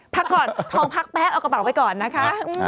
พักก่อนทองพักแป๊ะเอากระเป๋าไปก่อนนะคะ